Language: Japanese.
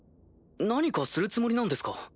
何かするつもりなんですか？